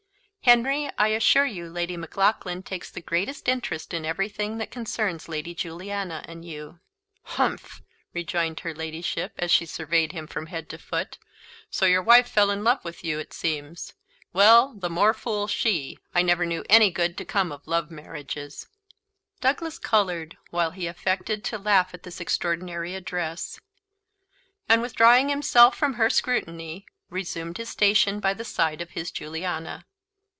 Henry, I assure you, Lady Maclaughlan takes the greatest interest in everything that concerns Lady Juliana and you." "Humph!" rejoined her ladyship, as she surveyed him from head to foot. "So your wife fell in love with you, it seems; well, the more fool she; I never knew any good come of love marriages." Douglas coloured, while he affected to laugh at this extraordinary address, and withdrawing himself from her scrutiny, resumed his station by the side of his Juliana.